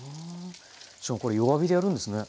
しかもこれ弱火でやるんですね？